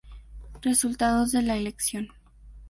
Resultados de la elección.